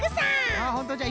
ああほんとじゃ。